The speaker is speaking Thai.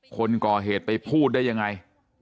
คนก่อเหตุไปพูดได้ยังไง